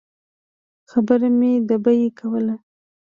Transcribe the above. خبره مې د بیې کوله.